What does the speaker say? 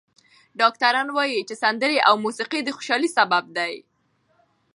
ډاکټران وايي چې سندرې او موسیقي د خوشحالۍ سبب دي.